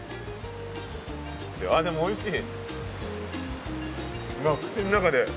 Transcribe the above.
あっでもおいしい。